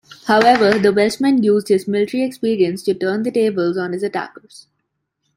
However the Welshman used his military experience to turn the tables on his attackers.